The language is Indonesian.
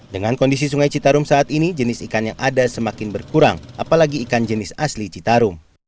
dengan kondisi sungai citarum saat ini jenis ikan yang ada semakin berkurang apalagi ikan jenis asli citarum